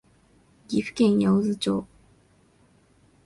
岐阜県八百津町